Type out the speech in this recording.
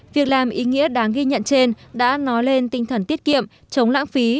việc làm ý nghĩa đáng ghi nhận trên đã nói lên tinh thần tiết kiệm chống lãng phí